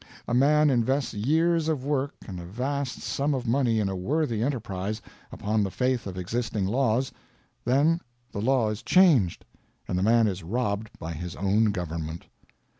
A man invests years of work and a vast sum of money in a worthy enterprise, upon the faith of existing laws; then the law is changed, and the man is robbed by his own government.